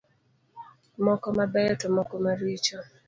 Moko mabeyo to moko maricho.